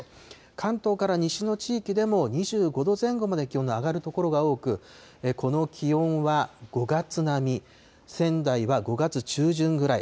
関東から西の地域でも２５度前後まで気温が上がる所が多く、この気温は５月並み、仙台は５月中旬ぐらい。